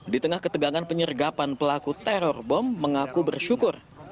di tengah ketegangan penyergapan pelaku teror bom mengaku bersyukur